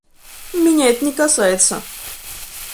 Меня это не касается.